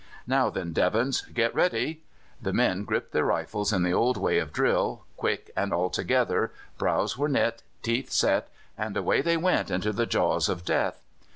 "Now then, Devons, get ready!" The men gripped their rifles in the old way of drill, quick and altogether, brows were knit, teeth set, and away they went into the jaws of death.